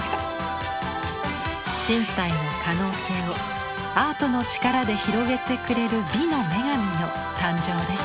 身体の可能性をアートの力で広げてくれる美の女神の誕生です。